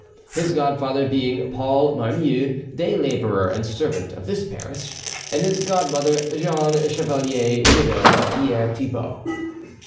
. his godfather being Paul Marmiou, day labourer and servant of this parish, and his godmother Jeanne Chevalier, widow of Pierre Thibou."